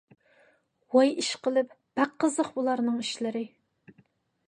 ۋاي ئىشقىلىپ، بەك قىزىق بۇلارنىڭ ئىشلىرى.